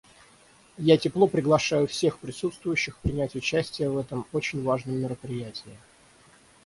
Я тепло приглашаю всех присутствующих принять участие в этом очень важном мероприятии.